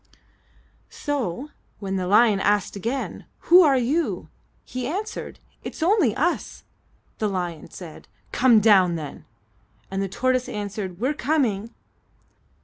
So, when the lion asked again, "Who are you?" he answered, "It's only us." The lion said, "Come down, then;" and the tortoise answered, "We're coming."